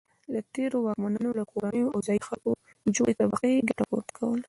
له تېرو واکمنانو له کورنیو او ځايي خلکو جوړې طبقې ګټه پورته کوله.